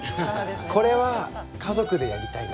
これは家族でやりたいなと。